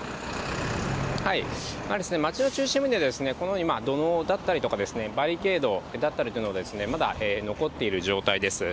街の中心部では、このように、土のうだったりとかですね、バリケードだったりなど、まだ残っている状態です。